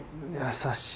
優しい。